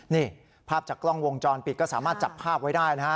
นี่ภาพจากกล้องวงจรปิดก็สามารถจับภาพไว้ได้นะฮะ